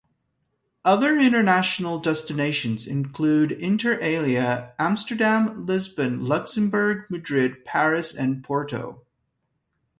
Other international destinations include inter alia Amsterdam, Lisbon, Luxembourg, Madrid, Paris and Porto.